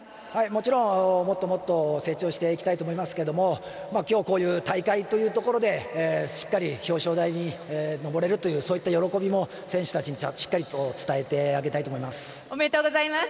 もちろん、もっともっと成長していきたいと思いますけれども今日は大会ということでしっかり表彰台に上れるそういった喜びも選手たちにしっかり伝えてあげたいとおめでとうございます。